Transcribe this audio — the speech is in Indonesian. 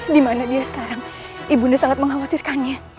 dimana dia sekarang ibunda sangat mengkhawatirkannya